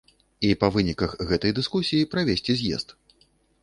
І па выніках гэтай дыскусіі правесці з'езд.